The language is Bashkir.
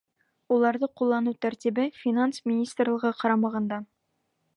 Уларҙы ҡулланыу тәртибе — Финанс министрлығы ҡарамағында.